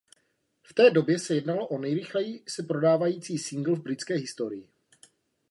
V té době se jednalo o nejrychleji se prodávající singl v britské historii.